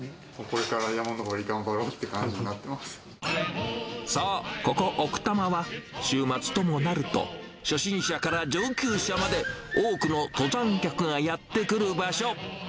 これから山登り頑張ろうってそう、ここ、奥多摩は、週末ともなると、初心者から上級者まで、多くの登山客がやって来る場所。